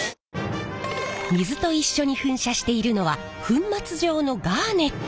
水と一緒に噴射しているのは粉末状のガーネット。